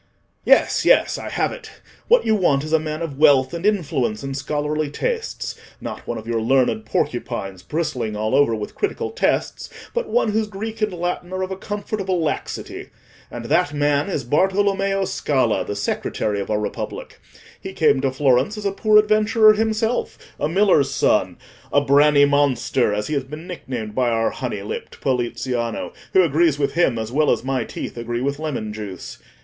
Yes, yes, I have it. What you want is a man of wealth, and influence, and scholarly tastes—not one of your learned porcupines, bristling all over with critical tests, but one whose Greek and Latin are of a comfortable laxity. And that man is Bartolommeo Scala, the secretary of our Republic. He came to Florence as a poor adventurer himself—a miller's son—a 'branny monster,' as he has been nicknamed by our honey lipped Poliziano, who agrees with him as well as my teeth agree with lemon juice.